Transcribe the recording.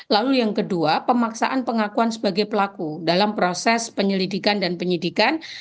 lalu yang kedua pemaksaan pengakuan sebagai pelaku dalam proses penyelidikan dan penyidikan